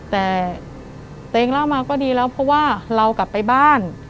แต่ตัวเองเล่ามาก็ดีแล้วเพราะว่าเรากลับไปบ้าน